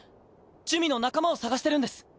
珠魅の仲間を捜してるんです。